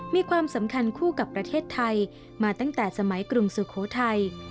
มีความสำคัญคู่กับประเทศไทยมาตั้งแต่สมัยกรุงสุโขทัย